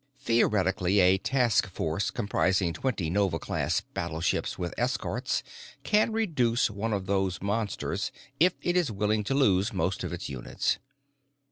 Theoretically, a task force comprising twenty Nova class battleships with escorts can reduce one of those monsters if it is willing to lose most of its units.